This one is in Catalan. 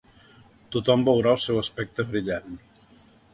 Tothom veurà el seu aspecte brillant.